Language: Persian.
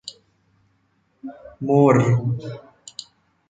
مرّ